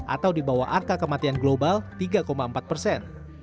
atau di bawah angka kematian global tiga empat persen